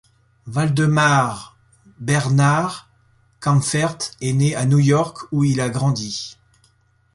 Waldemar Bernhard Kaempffert est né à New York où il a grandi.